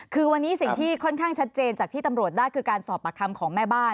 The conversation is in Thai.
คือวันนี้สิ่งที่ค่อนข้างชัดเจนจากที่ตำรวจได้คือการสอบปากคำของแม่บ้าน